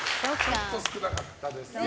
ちょっと少なかったですね。